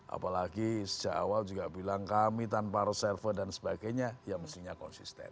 apalagi sejak awal juga bilang kami tanpa reserve dan sebagainya ya mestinya konsisten